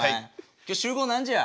今日集合何時や？